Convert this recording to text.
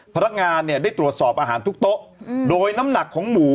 พนักงานเนี่ยได้ตรวจสอบอาหารทุกโต๊ะโดยน้ำหนักของหมู